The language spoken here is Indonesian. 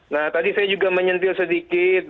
nah tadi saya juga menyentil sedikit